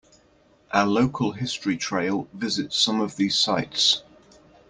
A local history trail visits some of these sites.